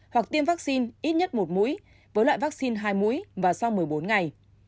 hoặc tiêm vaccine ít nhất một mũi với loại vaccine hai mũi và sau một mươi bốn ngày